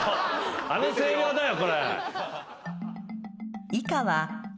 あの声量だよ。